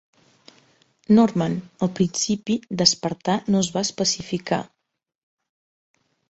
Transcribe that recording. Norman, al principi "despertar" no es va especificar.